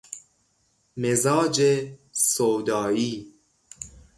مزاج سودائی